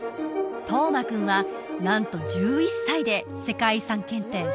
登眞君はなんと１１歳で世界遺産検定